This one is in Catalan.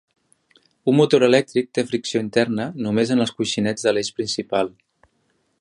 Un motor elèctric té fricció interna només en els coixinets de l'eix principal.